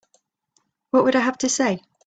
What would I have to say?